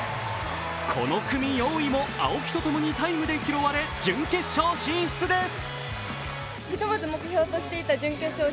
この組４位も青木と共にタイムで拾われ準決勝進出です。